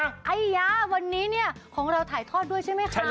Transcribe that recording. อัยยะวันนี้ของเราถ่ายทอดด้วยใช่ไหมคะ